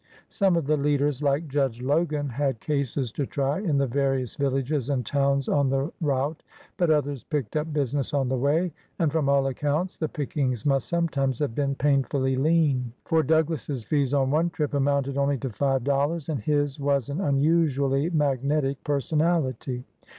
Some of the leaders, like Judge Logan, had cases to try in the various vil lages and towns on the route, but others picked up business on the way, and, from all accounts, the pickings must sometimes have been pain fully lean, for Douglas's fees on one trip amounted only to five dollars, and his was an unusually magnetic personality.